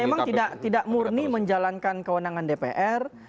memang tidak murni menjalankan kewenangan dpr